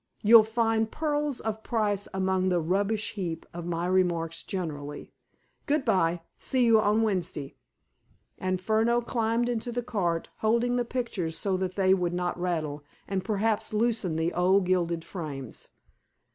You'll find pearls of price among the rubbish heap of my remarks generally. Good by. See you on Wednesday." And Furneaux climbed into the cart, holding the pictures so that they would not rattle, and perhaps loosen the old gilded frames.